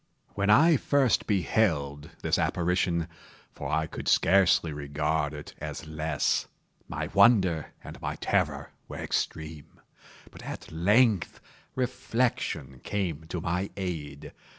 When I first beheld this apparition—for I could scarcely regard it as less—my wonder and my terror were extreme. But at length reflection came to my aid.